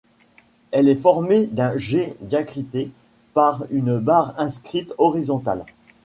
Elle est formée d'un G diacrité par une barre inscrite horizontal.